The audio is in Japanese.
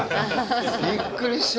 びっくりした。